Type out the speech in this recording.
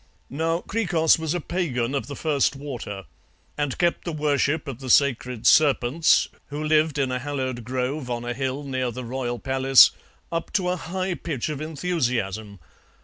Now Hkrikros was a Pagan of the first water, and kept the worship of the sacred serpents, who lived in a hallowed grove on a hill near the royal palace, up to a high pitch of enthusiasm.